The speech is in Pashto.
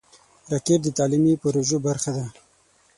راکټ د تعلیمي پروژو برخه ده